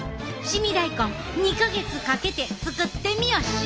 凍み大根２か月かけて作ってみよっし！